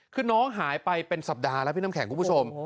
คือน้องหายไปเป็นสัปดาห์แล้วพี่น้ำแข็งคุณผู้ชม